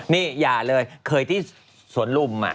นี่อย่าเลยเคยที่สวนลุม